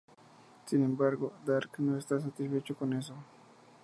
Sin embargo, Dark no está satisfecho con eso.